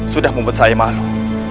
sudah membuat saya malu